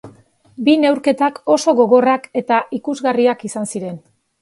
Bi neurketak oso gogorrak eta ikusgarriak izan ziren.